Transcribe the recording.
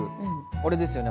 あれですよね